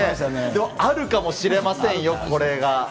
でもあるかもしれませんよ、これが。